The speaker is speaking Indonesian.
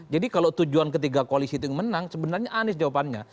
jadi kalau tujuan ketiga koalisi itu yang menang sebenarnya anies jawabannya